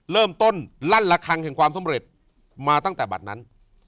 เริ่มต้นลั่นละคังแห่งความสำเร็จมาตั้งแต่บัตรนั้น